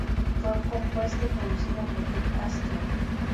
Fue compuesta y producida por Rick Astley.